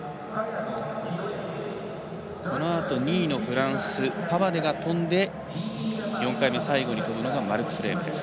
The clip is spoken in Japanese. このあと、２位のフランスパバデが跳んで４回目、最後に跳ぶのがマルクス・レームです。